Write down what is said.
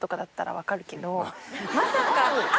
まさか赤！